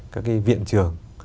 các cái viện trường